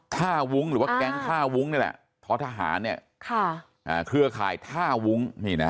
ท่าวุ้งหรือว่าแก๊งท่าวุ้งนี่แหละท้อทหารเครือข่ายท่าวุ้ง